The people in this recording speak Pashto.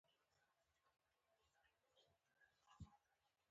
بل ځای نه وو هماغه لوګری متل وو.